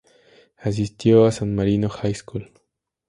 Asistió a San Marino High School.